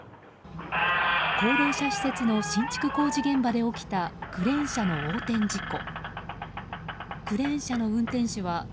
高齢者施設の新築工事現場で起きたクレーン車の横転事故。